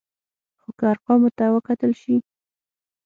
خو که ارقامو ته وکتل شي،